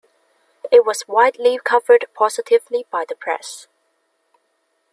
It was widely covered positively by the press.